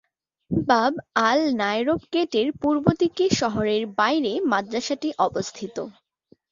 বাব আল-নায়রব গেটের পূর্ব দিকে শহরের বাইরে মাদ্রাসাটি অবস্থিত।